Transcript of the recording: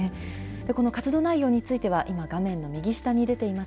この活動内容については、今画面の右下に出ています